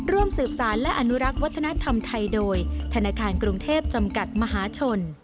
ร่วมสืบสารและอนุรักษ์วัฒนธรรมไทยโดยธนาคารกรุงเทพจำกัดมหาชน